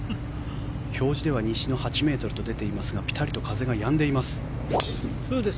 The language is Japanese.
表示では西の８ｍと出ていますがぴたりと風がやんでいます。